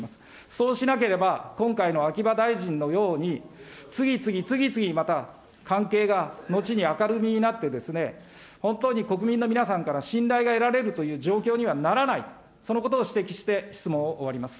そうしなければ、今回の秋葉大臣のように、次々次々、また関係が後に明るみになって、本当に国民の皆さんから信頼が得られるという状況にはならない、そのことを指摘して、質問を終わります。